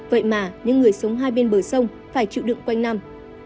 vậy mà những người sống hai bên bờ sông phải chịu đựng quanh năm